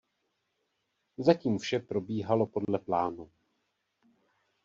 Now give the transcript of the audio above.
Zatím vše probíhalo podle plánu.